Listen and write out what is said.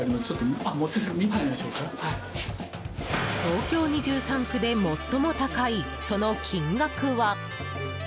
東京２３区で最も高いその金額は？